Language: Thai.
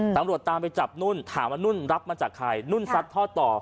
ตามไปจับนุ่นถามว่านุ่นรับมาจากใครนุ่นซัดทอดต่อ